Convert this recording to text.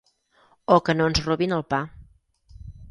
O que no ens robin el pa.